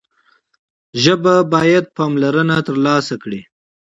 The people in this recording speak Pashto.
ژبه باید پاملرنه ترلاسه کړي.